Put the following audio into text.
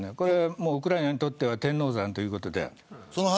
ウクライナにとっては天王山ということで。